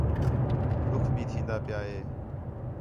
ݙُِکھ بھی تِھین٘دا پِیا ہِے